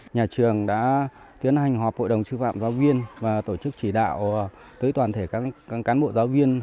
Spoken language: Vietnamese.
nhà trường đã tiến hành họp hội đồng sư phạm giáo viên và tổ chức chỉ đạo tới toàn thể các cán bộ giáo viên